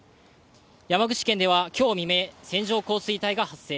山口県ではきょう未明、線状降水帯が発生。